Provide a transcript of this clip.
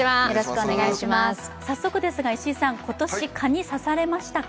早速ですが石井さん、今年、蚊に刺されましたか？